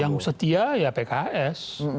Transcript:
yang setia ya pks